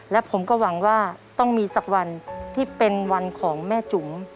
และผมก็หวังว่าต้องมีสักวันที่เป็นวันของแม่จุ๋ม